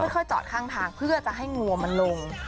ค่อยจอดข้างทางเพื่อจะให้งัวมันลง